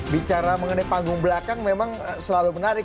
bicara mengenai panggung belakang memang selalu menarik